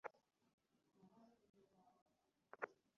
তাঁর একটি বড় মুকুট ছিল।